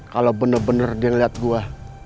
kalau bener bener dia ngeliat gue